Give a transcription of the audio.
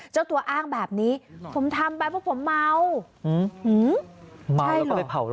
เจ้าตัวอ้างแบบนี้ผมทำไปเพราะผมเมาใช่เลย